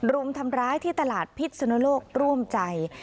รุมทำร้ายที่ตลาดพิษนุโลกร่วมใจ